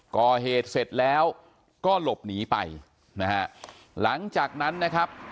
ก่อเหตุเสร็จแล้วก็หลบหนีไปนะฮะหลังจากนั้นนะครับ